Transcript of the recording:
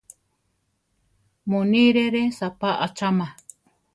Munírere saʼpá achama.